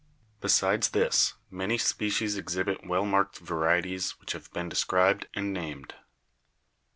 Besides this, many species ex hibit well marked varieties which have been described and named.